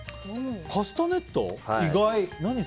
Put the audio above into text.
カスタネット、意外。